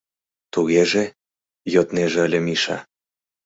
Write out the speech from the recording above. — Тугеже... — йоднеже ыле Миша.